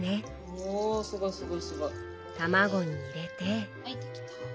卵に入れて。